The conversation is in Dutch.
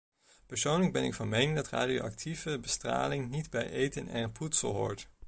Persoonlijk ben ik van mening dat radioactieve bestraling niet bij eten en voedsel hoort.